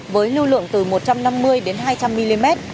với lưu lượng từ một trăm năm mươi đến hai trăm linh mm